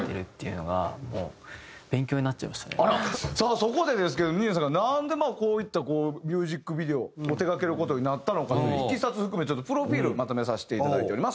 そこでですけどにいなさんがなんでこういったミュージックビデオを手がける事になったのかといういきさつ含めちょっとプロフィールまとめさせていただいております。